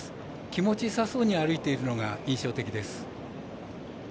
気持ちよさそうに歩いているのが印象的です。